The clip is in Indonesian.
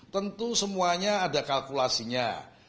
tentu semuanya ada kalkulasinya